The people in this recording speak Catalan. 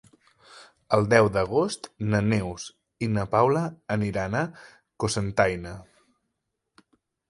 El deu d'agost na Neus i na Paula aniran a Cocentaina.